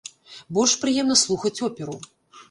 Больш прыемна слухаць оперу.